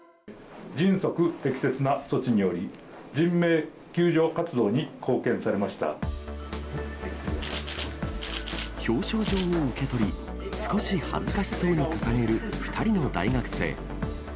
迅速適切な処置により、表彰状を受け取り、少し恥ずかしそうに掲げる２人の大学生。